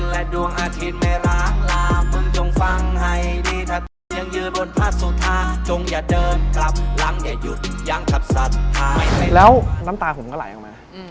แล้วน้ำตาผมก็ไหลออกมา